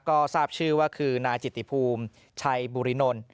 ก็ทราบชื่อว่าคือนายจิตติภูมิชัยบุรีนล